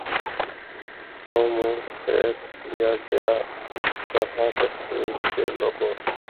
تو منہ پھیر لیا گیا اس طرح کشمیر کے لوگوں